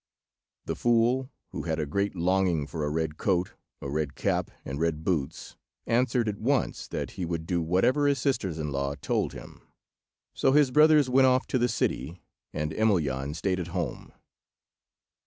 The fool, who had a great longing for a red coat, a red cap, and red boots, answered at once that he would do whatever his sisters in law told him. So his brothers went off to the city, and Emelyan stayed at home.